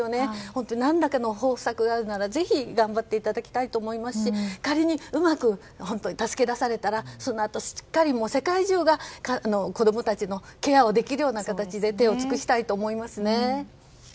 本当に何らかの方策があるならぜひ頑張っていただきたいと思いますし仮にうまく、助け出されたらそのあとしっかり世界中が子供たちのケアをできるような形で手を尽くしたいと思いますね。